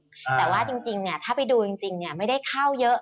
แต่ว่าจริงเนี่ยถ้าไปดูจริงเนี่ยไม่ได้เข้าเยอะ